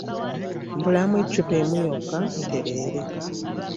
Mbulamu eccupa emu yokka ntereere.